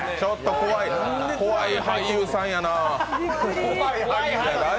怖い俳優さんやな。